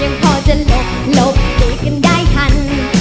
ยังพอจะหลบหลบเหลียกันได้ทัน